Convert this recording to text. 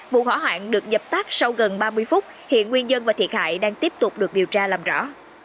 vụ hỏa hoạn được nhập tác sau gần ba mươi phút hiện nguyên dân và thiệt hại đang tiếp tục được điều tra làm rõ